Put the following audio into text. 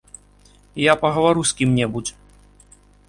Я пагавару з кім-небудзь.